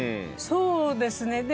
そうですね。